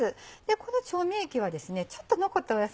この調味液はちょっと残った野菜